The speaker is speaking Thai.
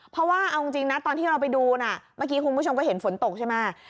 เพราะว่าตอนที่เราไปดูคุณผู้ชมก็เห็นฝนตกใช่มไหม